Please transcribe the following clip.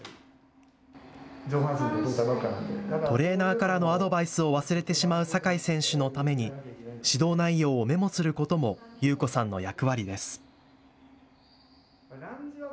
トレーナーからのアドバイスを忘れてしまう酒井選手のために指導内容をメモすることも裕子さんの役割です。